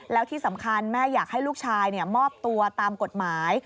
แล้วที่สำคัญแม่อยากให้ลูกชายมอบตัวตามกฎหมาย